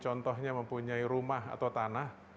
contohnya mempunyai rumah atau tanah